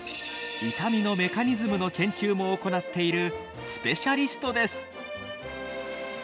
痛みのメカニズムの研究も行っているスペシャリストです。